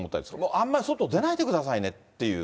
あんまり外に出ないでくださいねっていう。